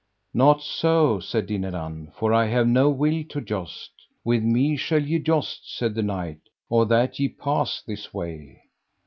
Not so, said Dinadan, for I have no will to joust. With me shall ye joust, said the knight, or that ye pass this way.